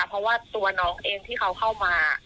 เพราะว่าตัวน้องเองที่เขาเข้ามา